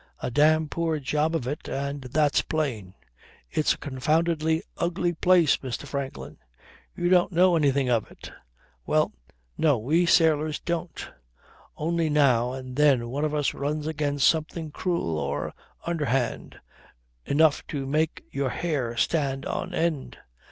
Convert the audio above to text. A dam' poor job of it and that's plain. It's a confoundedly ugly place, Mr. Franklin. You don't know anything of it? Well no, we sailors don't. Only now and then one of us runs against something cruel or underhand, enough to make your hair stand on end.